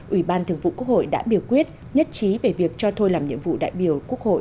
ủy ban thường vụ quốc hội đã biểu quyết nhất trí về việc cho thôi làm nhiệm vụ đại biểu quốc hội